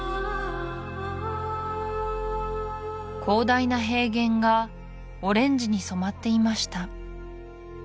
広大な平原がオレンジに染まっていました